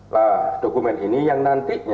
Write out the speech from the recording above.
nah dokumen ini yang nantinya